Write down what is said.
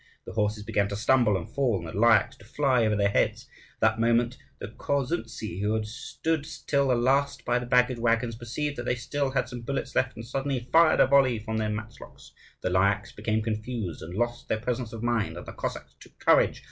The horses began to stumble and fall and the Lyakhs to fly over their heads. At that moment the Korsuntzi, who had stood till the last by the baggage waggons, perceived that they still had some bullets left, and suddenly fired a volley from their matchlocks. The Lyakhs became confused, and lost their presence of mind; and the Cossacks took courage.